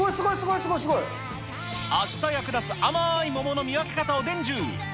あした役立つ甘ーい桃の見分け方を伝授。